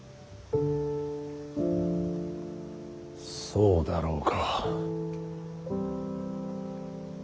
そうだろうか。